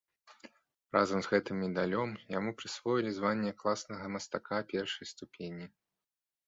Разам з гэтым медалём яму прысвоілі званне класнага мастака першай ступені.